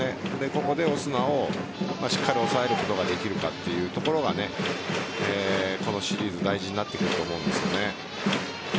ここでオスナをしっかり抑えることができるかというところがこのシリーズ大事になってくると思うんです。